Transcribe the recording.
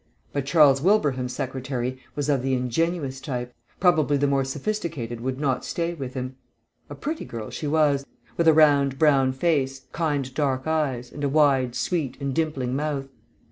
But Charles Wilbraham's secretary was of the ingenuous type. Probably the more sophisticated would not stay with him. A pretty girl she was, with a round brown face, kind dark eyes, and a wide, sweet, and dimpling mouth.